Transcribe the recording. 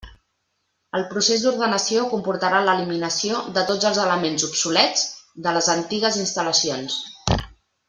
El procés d'ordenació comportarà l'eliminació de tots els elements obsolets de les antigues instal·lacions.